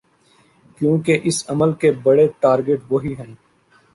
کیونکہ اس عمل کے بڑے ٹارگٹ وہی ہیں۔